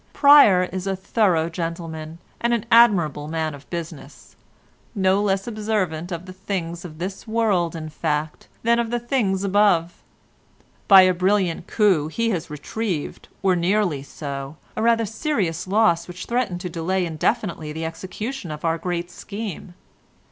Pryer is a thorough gentleman, and an admirable man of business—no less observant of the things of this world, in fact, than of the things above; by a brilliant coup he has retrieved, or nearly so, a rather serious loss which threatened to delay indefinitely the execution of our great scheme.